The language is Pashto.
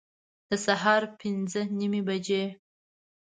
د سهار پنځه نیمي بجي